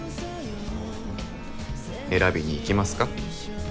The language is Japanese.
選びにいきますか？